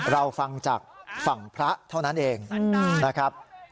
เราฟังจากฝั่งพระเท่านั้นเองนะครับ